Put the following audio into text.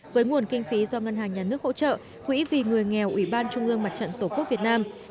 với nguồn kinh phí do ngân hàng nhà nước hỗ trợ quỹ vì người nghèo ủy ban trung ương mặt trận tổ quốc việt nam